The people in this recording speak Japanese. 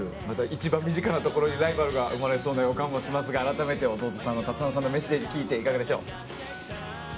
また一番身近なところにライバルが生まれそうな予感もしますが改めて、弟の龍尚さんのメッセージを聞いていかがでしょうか？